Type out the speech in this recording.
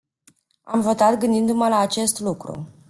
Am votat gândindu-mă la acest lucru.